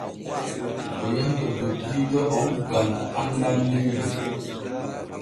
O yahi to dottiijo on gam annal leydi.